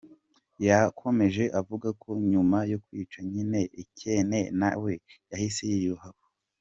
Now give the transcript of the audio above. Yakomeje avuga ko nyuma yo kwica nyina Ekene na we yahise yiyahura.